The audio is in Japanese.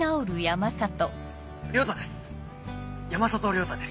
亮太です